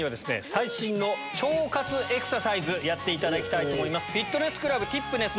最新の腸活エクササイズやっていただきたいと思います。